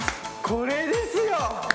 これですよ！